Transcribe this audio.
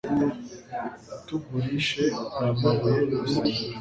Utugurishe aya mabuye y'urusengero